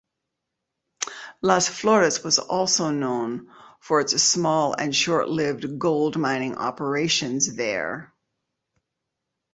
Las Flores was also known for its small and short-lived gold mining operations there.